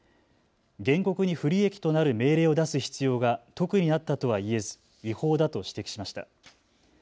原告に不利益となる命令を出す必要が特にあったとはいえず違法だと指摘しました。